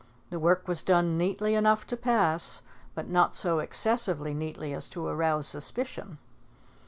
The work was done neatly enough to pass, but not so excessively neatly as to arouse suspicion.